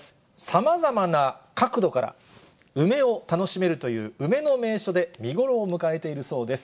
さまざまな角度から梅を楽しめるという梅の名所で見頃を迎えているそうです。